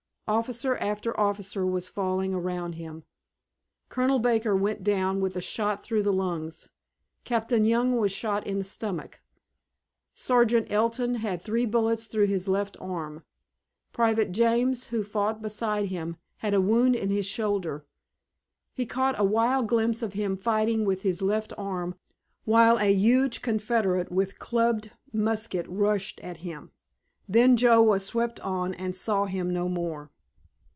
Officer after officer was falling around him. Colonel Baker went down with a shot through the lungs, Captain Young was shot in the stomach, Sergeant Ellton had three bullets through his left arm, Private James, who fought beside him, had a wound in his shoulder. He caught a wild glimpse of him, fighting with his left arm, while a huge Confederate with clubbed musket rushed at him. Then Joe was swept on and saw him no more.